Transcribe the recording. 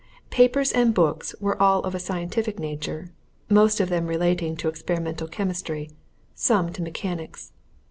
Papers and books were all of a scientific nature, most of them relating to experimental chemistry, some to mechanics.